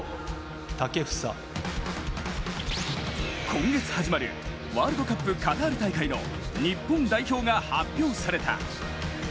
今月始まるワールドカップカタール大会の日本代表が発表された。